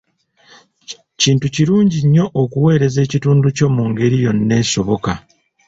Kintu kirungi nnyo okuweereza ekitundu kyo mu ngeri yonna esoboka.